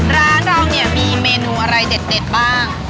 ร้านเราเนี่ยมีเมนูอะไรเด็ดบ้าง